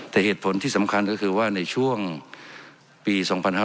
แต่เหตุผลที่สำคัญก็คือว่าในช่วงปี๒๕๕๙